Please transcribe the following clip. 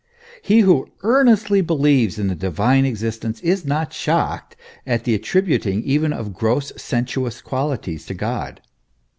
He who earnestly be lieves in the Divine existence, is not shocked at the attribut ing even of gross sensuous qualities to God.